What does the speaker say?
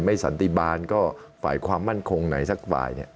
สันติบาลก็ฝ่ายความมั่นคงไหนสักฝ่าย